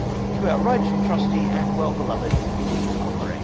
To our right trusty and well beloved, the Lord Cocorane."